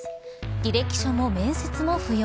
履歴書も面接も不要。